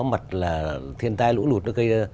mặt là thiên tai lũ lụt nó gây